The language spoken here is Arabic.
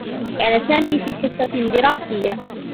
كان سامي في حصّة دراسيّة.